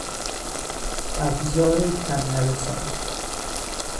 ابزار کمنوسان